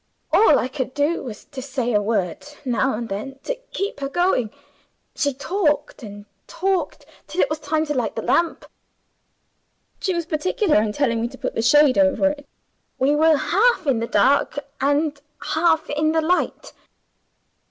All I could do was to say a word now and then to keep her going. She talked and talked till it was time to light the lamp. She was particular in telling me to put the shade over it. We were half in the dark, and half in the light.